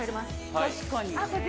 確かに。